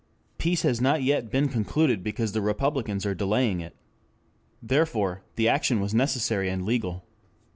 Peace has not yet been concluded because the Republicans are delaying it. Therefore the action was necessary and legal.